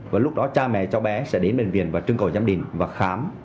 và lúc đó cha mẹ cháu bé sẽ đến bệnh viện và trưng cầu giám định và khám